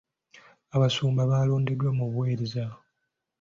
Abasumba balondebwa mu buweereza.